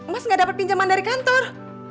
mas nggak dapet pinjaman dari kantor